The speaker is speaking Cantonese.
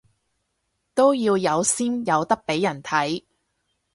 都要有先有得畀人睇